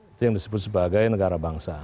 itu yang disebut sebagai negara bangsa